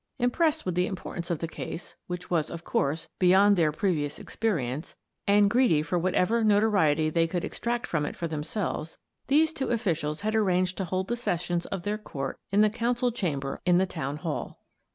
Impressed with the im portance of the case, which was, of course, beyond their previous experience, and greedy for whatever notoriety they could extract from it for themselves, these two officials had arranged to hold the sessions of their court in the council chamber in the town hall.